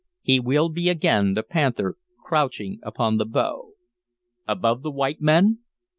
He will be again the panther crouching upon the bough" "Above the white men?"